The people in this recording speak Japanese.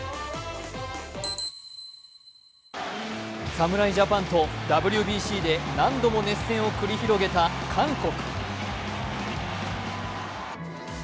侍ジャパンとＷＢＣで何度も熱戦を繰り広げた韓国。